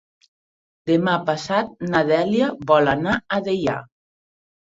Demà passat na Dèlia vol anar a Deià.